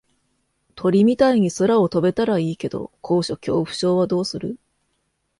鳥みたいに空を飛べたらいいけど高所恐怖症はどうする？